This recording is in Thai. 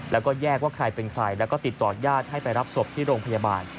แล้วก็แยกว่าใครเป็นใครแล้วก็ติดต่อญาติให้ไปรับศพที่โรงพยาบาล